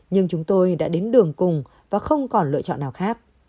nhưng chúng tôi đã đến đường cùng và không còn lựa chọn nào khác